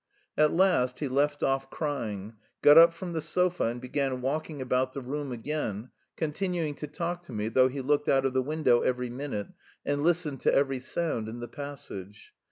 At last he left off crying, got up from the sofa and began walking about the room again, continuing to talk to me, though he looked out of the window every minute and listened to every sound in the passage.